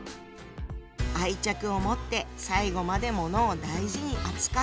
愛着を持って最後まで物を大事に扱う。